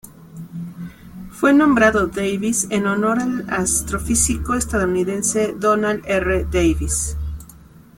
Fue nombrado Davis en honor al astrofísico estadounidense Donald R. Davis.